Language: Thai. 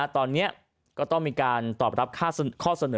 ตอนนี้ก็ต้องมีการตอบรับข้อเสนอ